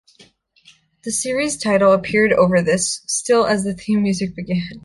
The series' title appeared over this still as the theme music began.